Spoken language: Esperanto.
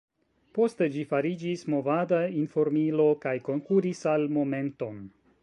Poste ĝi fariĝis movada informilo kaj konkuris al Momenton.